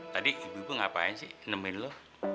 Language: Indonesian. tadi ibu ibu ngapain sih nenemen lo